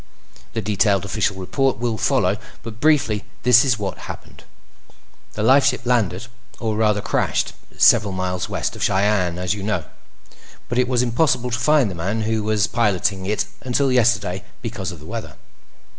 The detailed official report will follow, but briefly, this is what happened: The lifeship landed—or, rather, crashed—several miles west of Cheyenne, as you know, but it was impossible to find the man who was piloting it until yesterday because of the weather.